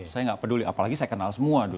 saya nggak peduli apalagi saya kenal semua